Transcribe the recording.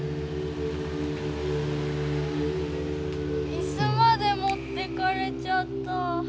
いすまでもってかれちゃった。